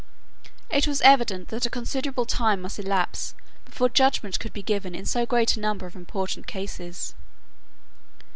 It was evident that a considerable time must elapse before judgment could be given in so great a number of important cases.